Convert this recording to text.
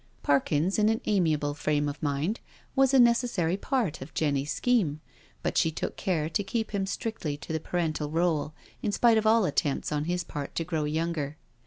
Parkins in an amiable frame of mind was a neces sary part of Jenny's scheme, but she took care to keep him strictly to the parental rdle, in spite of all attempts on his part to grow younger.